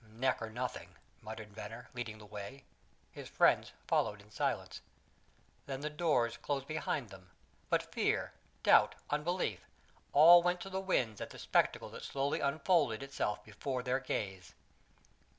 "Neck or nothing!" muttered Venner, leading the way. His friends followed in silence. Then the doors closed behind them; but fear, doubt, unbelief, all went to the winds at the spectacle that slowly unfolded itself before their gaze.